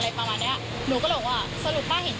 หนูบอกว่าหนูขอถ่ายลูกป้าหน่อย